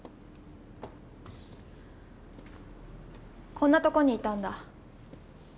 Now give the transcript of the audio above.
こんなとこにいたんだ。